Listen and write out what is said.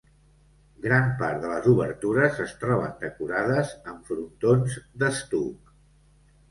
Gran part de les obertures es troben decorades amb frontons d'estuc.